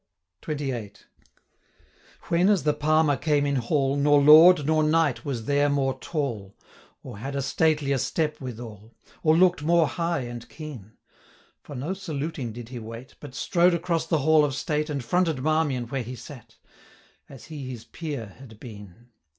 XXVIII. When as the Palmer came in hall, Nor lord, nor knight, was there more tall, Or had a statelier step withal, Or look'd more high and keen; 475 For no saluting did he wait, But strode across the hall of state, And fronted Marmion where he sate, As he his peer had been.